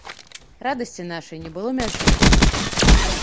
Радасці нашай не было мяжы.